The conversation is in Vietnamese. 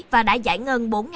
và đã giải ngân bốn tỷ đồng